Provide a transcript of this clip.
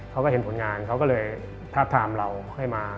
เขาก็เห็นผลงานเขาก็เลยทาบทามเราให้มา